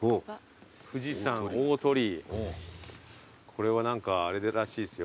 これは何かあれらしいですよ。